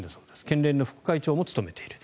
県連の副会長も務めている。